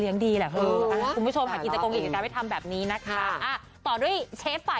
เกิดที่ปลูกต้นแบบวีบร้ายได้